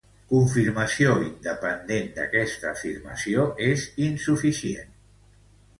Confirmació independent d'aquesta afirmació és insuficient.